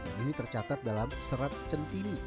dan ini tercatat dalam serat centini